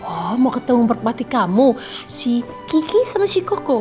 oh mau ketemu merpati kamu si kiki sama si koko